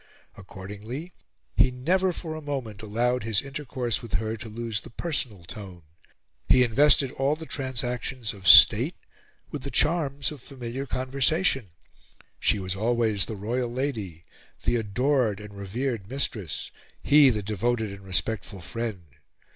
Accordingly, he never for a moment allowed his intercourse with her to lose the personal tone; he invested all the transactions of State with the charms of familiar conversation; she was always the royal lady, the adored and revered mistress, he the devoted and respectful friend.